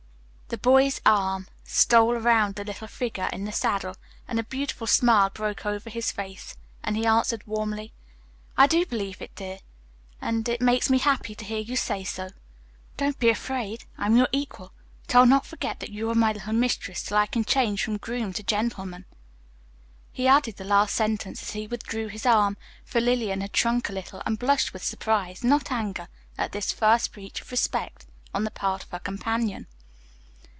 The boy's arm stole around the little figure in the saddle, and a beautiful bright smile broke over his face as he answered warmly, "I do believe it, dear, and it makes me happy to hear you say so. Don't be afraid, I'm your equal, but I'll not forget that you are my little mistress till I can change from groom to gentleman." He added the last sentence as he withdrew his arm, for Lillian had shrunk a little and blushed with surprise, not anger, at this first breach of respect on the part of her companion.